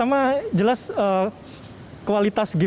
karena kalau kita saingan aja sama studio game yang mereka butuh jutaan dolar